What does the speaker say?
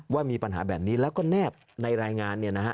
ว่ามีปัญหาแบบนี้แล้วก็แนบในรายงาน